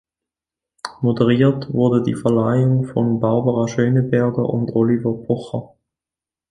Moderiert wurde die Verleihung von Barbara Schöneberger und Oliver Pocher.